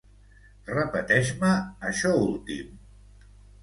Repeteix-me això últim.